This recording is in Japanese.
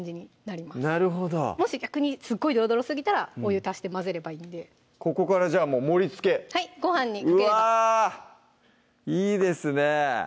なるほどもし逆にすごいどろどろすぎたらお湯足して混ぜればいいんでここからじゃあ盛りつけはいご飯にかければうわぁいいですね